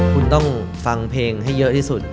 คุณต้องฟังเพลงให้เยอะที่สุด